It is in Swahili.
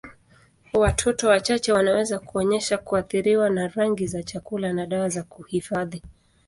Watoto wachache wanaweza kuonyesha kuathiriwa na rangi za chakula na dawa za kuhifadhi.